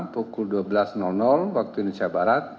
pukul dua belas waktu indonesia barat